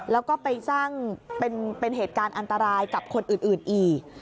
แล้วก็ไปสร้างเป็นเหตุการณ์อันตรายกับคนอื่นอีก